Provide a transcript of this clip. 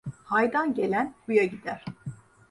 Haydan gelen huya gider.